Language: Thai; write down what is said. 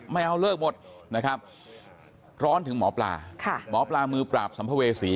ไม่เอาเลิกหมดนะครับร้อนถึงหมอปลาหมอปลามือปราบสัมภเวษี